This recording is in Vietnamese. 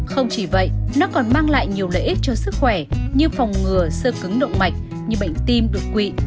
không chỉ vậy nó còn mang lại nhiều lợi ích cho sức khỏe như phòng ngừa sơ cứng động mạch như bệnh tim đột quỵ